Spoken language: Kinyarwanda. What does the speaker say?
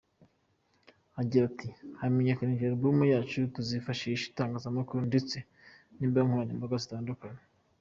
Agira ati “Kumenyekanisha album yacu tuzifashisha itangazamakuru ndetse n’imbuga nkoranyambaga zitandukanye.